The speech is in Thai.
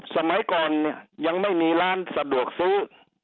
สมัยก่อนเนี่ยยังไม่มีร้านสะดวกซื้อ